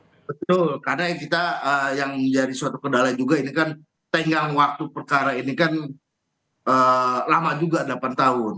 betul karena kita yang menjadi suatu kendala juga ini kan tenggang waktu perkara ini kan lama juga delapan tahun